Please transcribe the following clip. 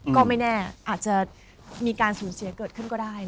ก็ไม่แน่อาจจะมีการสูญเสียเกิดขึ้นก็ได้